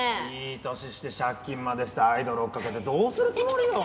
いい年して借金までしてアイドル追っかけてどうするつもりよ？